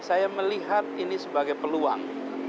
saya melihat ini sebagai peluang